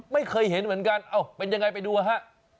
ไม่เคยเห็นเหมือนกันเอ้าเป็นยังไงไปดูนะฮะ